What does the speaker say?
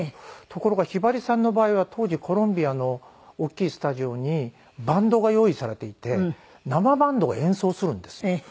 ところがひばりさんの場合は当時コロムビアの大きいスタジオにバンドが用意されていて生バンドが演奏するんですよ。